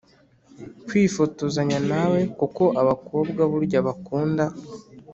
kwifotozanya nawe kuko abakobwa burya bakunda